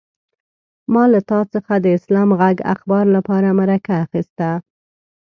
ما له تا څخه د اسلام غږ اخبار لپاره مرکه اخيسته.